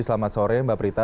selamat sore mbak brita